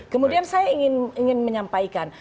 kemudian saya ingin menyampaikan